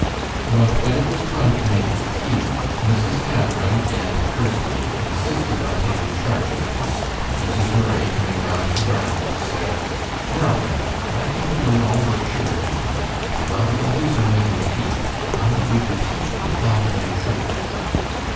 But when it was time to make the tea, Mrs. Cameron and Kirsty insisted on taking charge of this, and Mrs. Murray, coming round to Ranald, said: "Now, Ranald, I came to learn all about sugar making, and while the others are making tea, I want you to teach me how to make sugar."